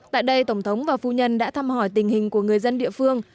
tại đây tổng thống và phu nhân đã thăm hỏi tình hình của người dân địa phương